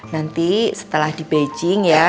nanti setelah di beijing ya